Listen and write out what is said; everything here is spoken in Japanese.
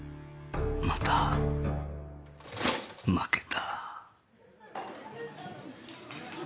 また負けた